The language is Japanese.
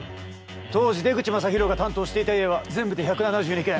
当時出口聖大が担当していた家は全部で１７２軒。